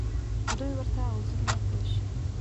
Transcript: دوی ورته عذرونه تراشي